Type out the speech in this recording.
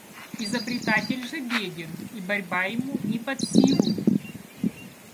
Изобретатель же беден и борьба ему не под силу.